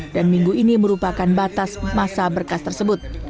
dan minggu ini merupakan batas masa berkas tersebut